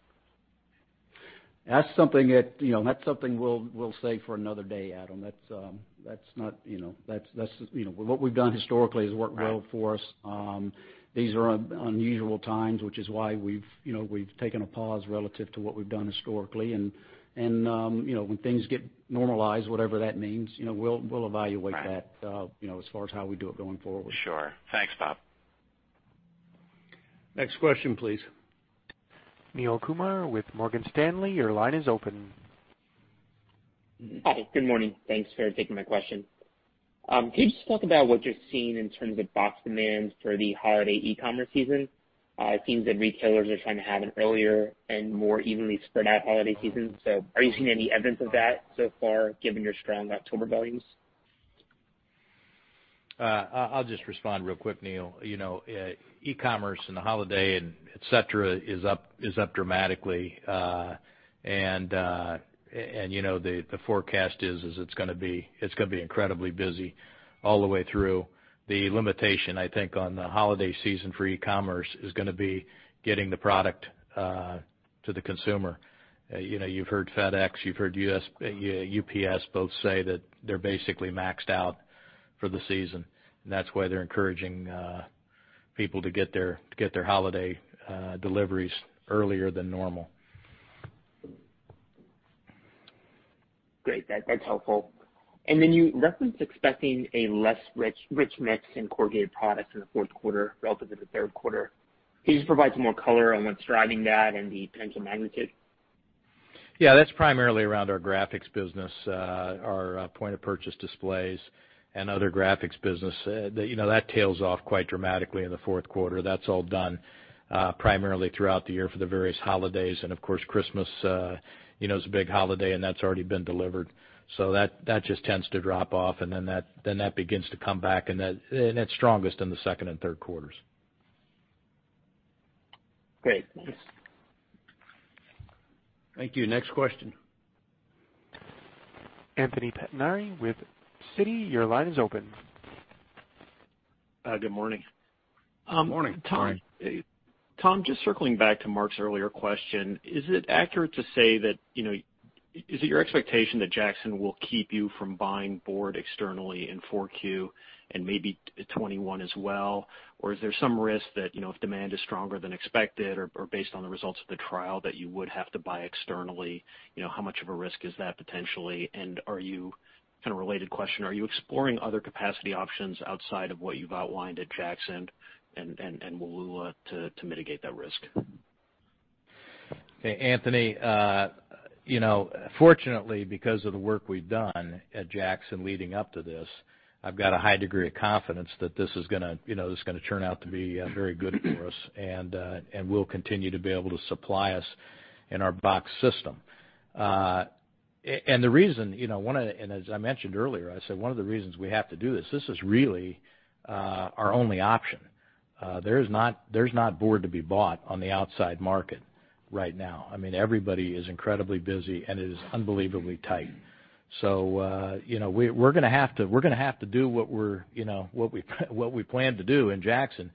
That's something we'll save for another day, Adam. That's what we've done historically has worked well for us. These are unusual times, which is why we've taken a pause relative to what we've done historically. And when things get normalized, whatever that means, we'll evaluate that as far as how we do it going forward. Sure. Thanks, Bob. Next question, please. Neel Kumar with Morgan Stanley. Your line is open. Hi. Good morning. Thanks for taking my question. Can you just talk about what you're seeing in terms of box demand for the holiday e-commerce season? It seems that retailers are trying to have an earlier and more evenly spread out holiday season. So are you seeing any evidence of that so far, given your strong October volumes? I'll just respond real quick, Neel. E-commerce and the holiday, etc., is up dramatically. And the forecast is it's going to be, it's going to be incredibly busy all the way through. The limitation, I think, on the holiday season for e-commerce is going to be getting the product to the consumer. You've heard FedEx, you've heard UPS both say that they're basically maxed out for the season. And that's why they're encouraging people to get their holiday deliveries earlier than normal. Great. That's helpful. And then you referenced expecting a less rich mix and corrugated products in the fourth quarter relative to the third quarter. Can you just provide some more color on what's driving that and the potential magnitude? Yeah. That's primarily around our graphics business, our point of purchase displays and other graphics business. That tails off quite dramatically in the fourth quarter. That's all done primarily throughout the year for the various holidays, and of course, Christmas is a big holiday, and that's already been delivered, so that just tends to drop off, and then that begins to come back, and that's strongest in the second and third quarters. Great. Thanks. Thank you. Next question. Anthony Pettinari with Citi. Your line is open. Good morning. Good morning. Tom, just circling back to Mark's earlier question, is it accurate to say that is it your expectation that Jackson will keep you from buying board externally in 4Q and maybe 2021 as well? Or is there some risk that if demand is stronger than expected or based on the results of the trial that you would have to buy externally, how much of a risk is that potentially? And kind of related question, are you exploring other capacity options outside of what you've outlined at Jackson and Wallula to mitigate that risk? Okay. Anthony, fortunately, because of the work we've done at Jackson leading up to this, I've got a high degree of confidence that this is going to turn out to be very good for us. And we'll continue to be able to supply our box system. And the reason, as I mentioned earlier, one of the reasons we have to do this, this is really our only option. There's not board to be bought on the outside market right now. I mean, everybody is incredibly busy, and it is unbelievably tight. So we're going to have to do what we plan to do in Jackson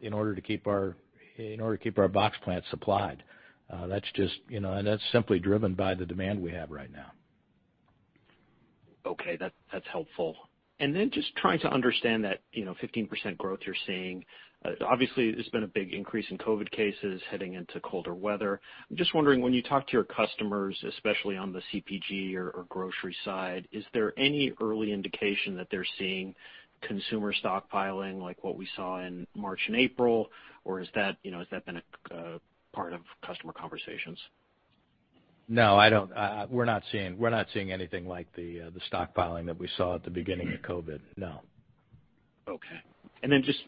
in order to keep our box plant supplied. That's just, and that's simply driven by the demand we have right now. Okay. That's helpful. And then just trying to understand that 15% growth you're seeing. Obviously, there's been a big increase in COVID cases heading into colder weather. I'm just wondering, when you talk to your customers, especially on the CPG or grocery side, is there any early indication that they're seeing consumer stockpiling like what we saw in March and April? Or has that been a part of customer conversations? No, we're not seeing anything like the stockpiling that we saw at the beginning of COVID. No. Okay. And then just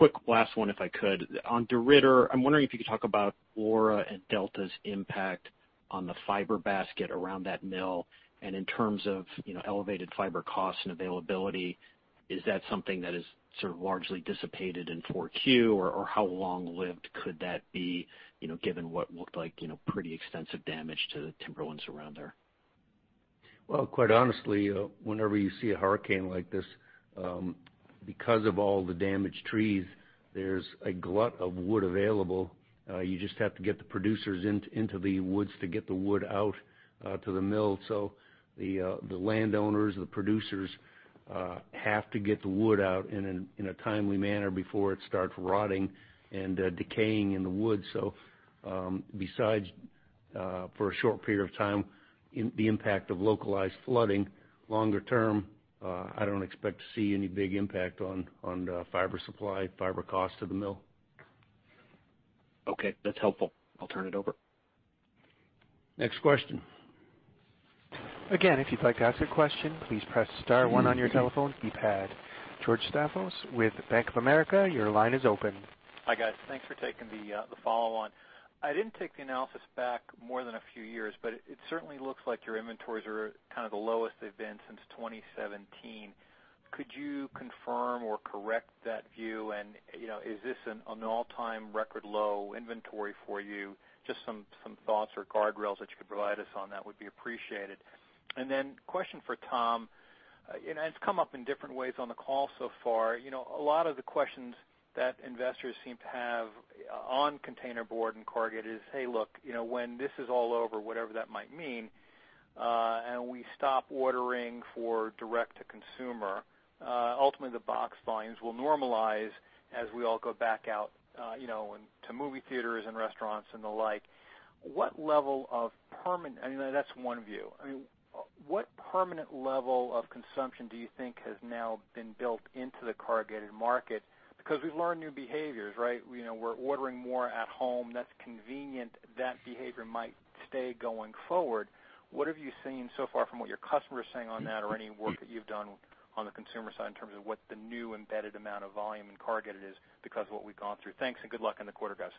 quick last one, if I could. On DeRidder, I'm wondering if you could talk about Laura and Delta's impact on the fiber basket around that mill. And in terms of elevated fiber costs and availability, is that something that has sort of largely dissipated in 4Q? Or how long lived could that be, given what looked like pretty extensive damage to the timberlands around there? Quite honestly, whenever you see a hurricane like this, because of all the damaged trees, there's a glut of wood available. You just have to get the producers into the woods to get the wood out to the mill. So the landowners, the producers have to get the wood out in a timely manner before it starts rotting and decaying in the wood. So besides for a short period of time, the impact of localized flooding, longer term, I don't expect to see any big impact on fiber supply, fiber costs to the mill. Okay. That's helpful. I'll turn it over. Next question. Again, if you'd like to ask a question, please press star one on your telephone keypad. George Staphos with Bank of America, your line is open. Hi guys. Thanks for taking the follow-on. I didn't take the analysis back more than a few years, but it certainly looks like your inventories are kind of the lowest they've been since 2017. Could you confirm or correct that view? And is this an all-time record low inventory for you? Just some thoughts or guardrails that you could provide us on that would be appreciated. And then question for Tom. And it's come up in different ways on the call so far. A lot of the questions that investors seem to have on containerboard and corrugated is, "Hey, look, when this is all over, whatever that might mean, and we stop ordering for direct-to-consumer, ultimately the box volumes will normalize as we all go back out to movie theaters and restaurants and the like." What level of permanent - I mean, that's one view. I mean, what permanent level of consumption do you think has now been built into the corrugated market? Because we've learned new behaviors, right? We're ordering more at home. That's convenient. That behavior might stay going forward. What have you seen so far from what your customers are saying on that or any work that you've done on the consumer side in terms of what the new embedded amount of volume in corrugated is because of what we've gone through? Thanks and good luck in the quarter, guys.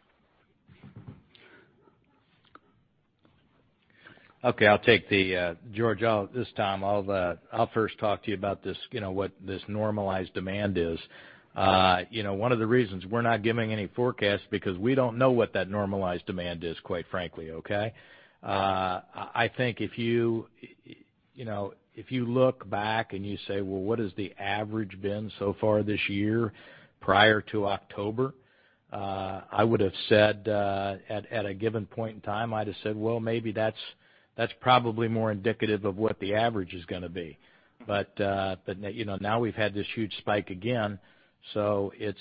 Okay. I'll take the George, I'll just, Tom, I'll first talk to you about what this normalized demand is. One of the reasons we're not giving any forecasts is because we don't know what that normalized demand is, quite frankly, okay? I think if you look back and you say, "Well, what has the average been so far this year prior to October?" I would have said at a given point in time, I'd have said, "Well, maybe that's probably more indicative of what the average is going to be." But now we've had this huge spike again. So it's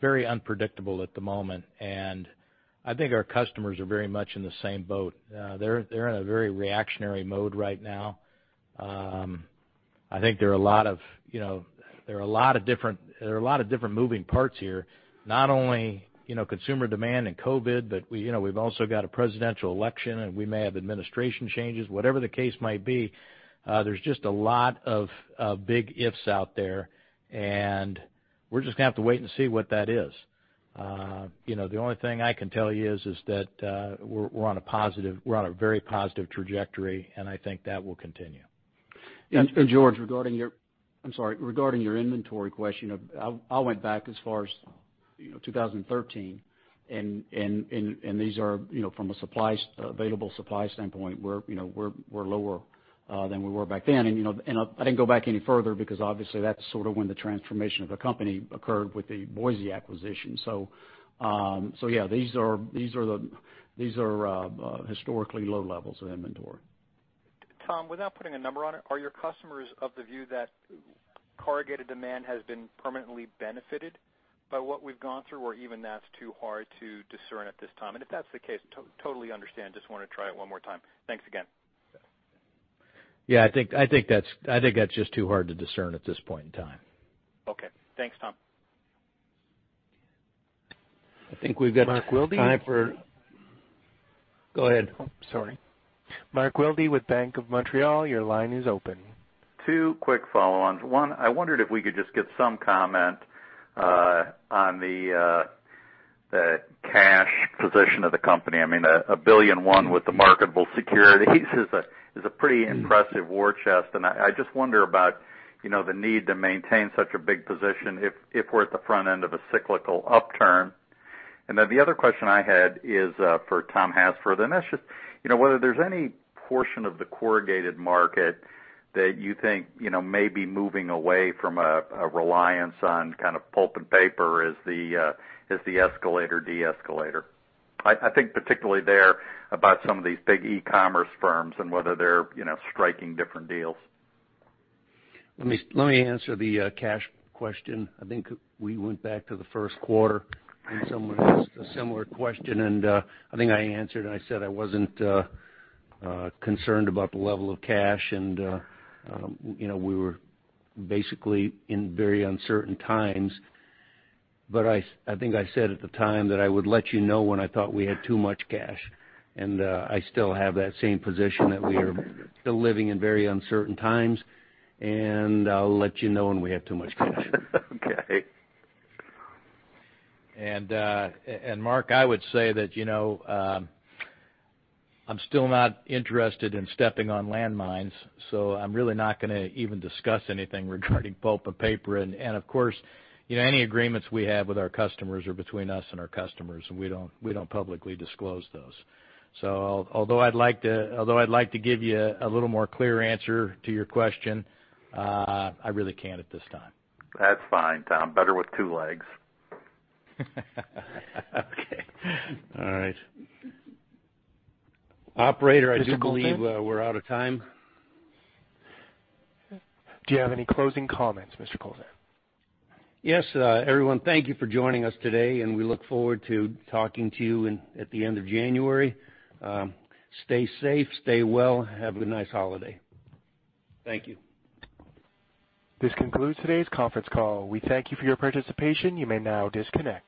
very unpredictable at the moment. And I think our customers are very much in the same boat. They're in a very reactionary mode right now. I think there are a lot of different moving parts here. Not only consumer demand and COVID, but we've also got a presidential election, and we may have administration changes. Whatever the case might be, there's just a lot of big ifs out there, and we're just going to have to wait and see what that is. The only thing I can tell you is that we're on a positive, we're on a very positive trajectory, and I think that will continue, and George, regarding your, I'm sorry, regarding your inventory question, I went back as far as 2013, and these are from a supply, available supply standpoint, we're lower than we were back then, and I didn't go back any further because obviously that's sort of when the transformation of the company occurred with the Boise acquisition. So yeah, these are historically low levels of inventory. Tom, without putting a number on it, are your customers of the view that corrugated demand has been permanently benefited by what we've gone through, or even that's too hard to discern at this time? And if that's the case, totally understand. Just want to try it one more time. Thanks again. Yeah. I think that's just too hard to discern at this point in time. Okay. Thanks, Tom. I think we've got... Mark Wilde? for - go ahead. Oh, sorry. Mark Wilde with Bank of Montreal, your line is open. Two quick follow-ons. One, I wondered if we could just get some comment on the cash position of the company. I mean, $1 billion with the marketable securities is a pretty impressive war chest. And I just wonder about the need to maintain such a big position if we're at the front end of a cyclical upturn. And then the other question I had is for Tom Hassfurther. And that's just whether there's any portion of the corrugated market that you think may be moving away from a reliance on kind of Pulp and Paper as the escalator de-escalator. I think particularly there about some of these big e-commerce firms and whether they're striking different deals. Let me answer the cash question. I think we went back to the first quarter and someone asked a similar question, and I think I answered, and I said I wasn't concerned about the level of cash, and we were basically in very uncertain times, but I think I said at the time that I would let you know when I thought we had too much cash, and I still have that same position that we are still living in very uncertain times, and I'll let you know when we have too much cash, and Mark, I would say that I'm still not interested in stepping on landmines, so I'm really not going to even discuss anything regarding Pulp and Paper, and of course, any agreements we have with our customers are between us and our customers, and we don't publicly disclose those. Although I'd like to give you a little more clear answer to your question, I really can't at this time. That's fine, Tom. Better with two legs. Okay. All right. Operator, I do believe we're out of time. Do you have any closing comments, Mr. Kowlzan? Yes. Everyone, thank you for joining us today, and we look forward to talking to you at the end of January. Stay safe, stay well, have a nice holiday. Thank you. This concludes today's conference call. We thank you for your participation. You may now disconnect.